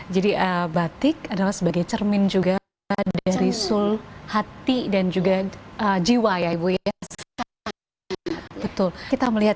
jadi abad tik adalah sebagai cermin juga dari sulhati dan juga jiwa ya ibu ya betul kita melihat